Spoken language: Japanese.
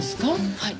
はい。